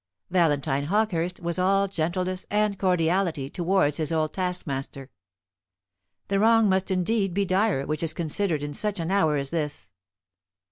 Valentine Hawkehurst was all gentleness and cordiality towards his old taskmaster. The wrong must indeed be dire which is considered in such an hour as this.